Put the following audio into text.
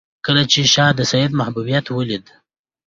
کله چې شاه د سید محبوبیت ولید.